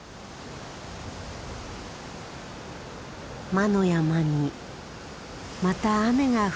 魔の山にまた雨が降り始めた。